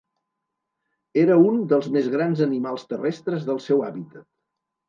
Era un dels més grans animals terrestres del seu hàbitat.